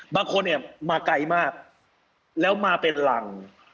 บางคนเนี่ยมาไกลมากแล้วมาเป็นหลัง